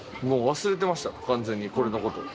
もう忘れてました完全にこれの事。